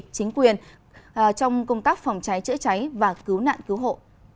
chính quyền trong công tác phòng cháy chữa cháy và cứu nạn cứu hộ